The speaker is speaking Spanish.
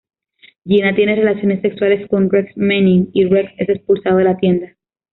Gina tiene relaciones sexuales con Rex Manning, y Rex es expulsado de la tienda.